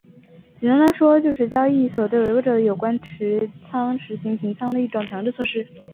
简单地说就是交易所对违规者的有关持仓实行平仓的一种强制措施。